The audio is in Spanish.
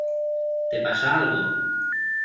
¿ te pasa algo?